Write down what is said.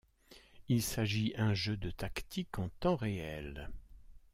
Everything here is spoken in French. Il s'agit un jeu de tactique en temps réel.